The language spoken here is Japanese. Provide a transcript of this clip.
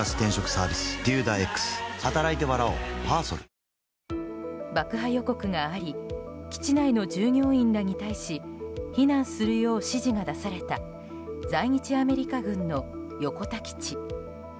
脂肪に選べる「コッコアポ」爆破予告があり基地内の従業員らに対し避難するよう指示が出された在日アメリカ軍の横田基地。